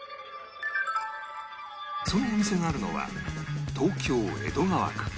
そのお店があるのは東京江戸川区